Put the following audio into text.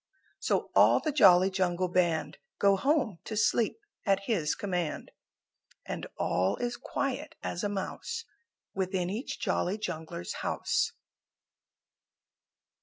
So all the Jolly Jungle Band Go home to sleep at his command, And all is quiet as a mouse Within each Jolly Jungler's house.